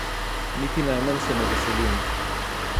Niti najmanj se ne veselim.